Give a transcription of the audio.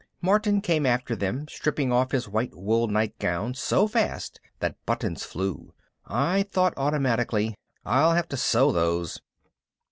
Martin came after them, stripping off his white wool nightgown so fast that buttons flew. I thought automatically, _I'll have to sew those.